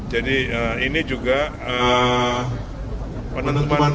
jadi ini juga penutupan tanggalnya sudah lama